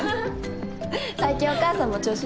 最近お母さんも調子いいんだ。